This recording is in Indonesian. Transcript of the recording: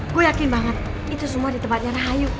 gue yakin banget itu semua di tempatnya rahayu